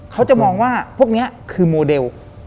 เขาจะมองว่าพวกนี้คือโมเดล